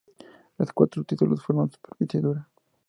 Los cuatro títulos fueron superficie dura.